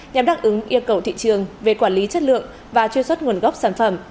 nhằm đáp ứng yêu cầu thị trường về quản lý chất lượng và truy xuất nguồn gốc sản phẩm